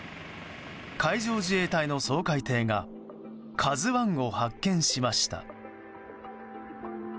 海上自衛隊の掃海艇が「ＫＡＺＵ１」を発見しました。